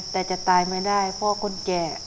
แต่จะตายไม่ได้เพราะคนแก่